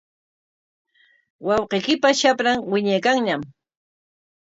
Wawqiykipa shapran wiñaykanñam.